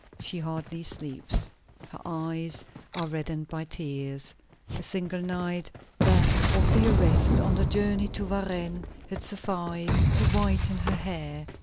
She hardly sleeps. Her eyes are reddened by tears. A single night, that of the arrest on the journey to Varennes, had sufficed to whiten her hair.